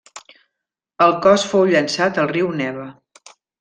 El cos fou llançat al riu Neva.